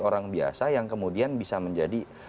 orang biasa yang kemudian bisa menjadi